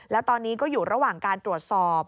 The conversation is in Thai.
แล้วตอนนี้ก็อยู่ระหว่างการตรวจสอบ